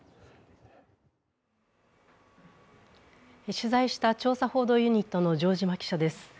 取材した調査報道ユニットの城島記者です。